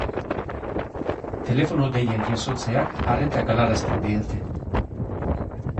Telefono-deiak jasotzeak arreta galarazten didate